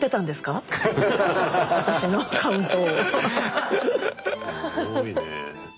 私のカウントを。